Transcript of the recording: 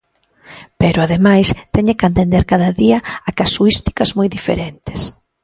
Pero, ademais, teñen que atender cada día a casuísticas moi diferentes.